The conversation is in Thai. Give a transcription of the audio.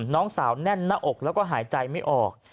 น้องสาวแน่นหน้าอกแล้วก็หายใจไม่ออก